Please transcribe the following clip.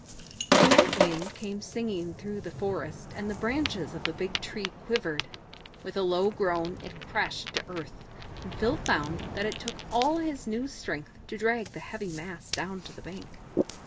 The Night Wind came singing through the forest, and the branches of the big tree quivered; with a low groan it crashed to earth, and Phil found that it took all his new strength to drag the heavy mass down to the bank.